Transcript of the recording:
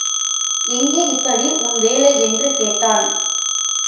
இங்கே எப்படி உன் வேலை? என்று கேட்டான்.